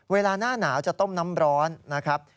เวลาหน้าหนาวจะต้มน้ำร้อนนะครับ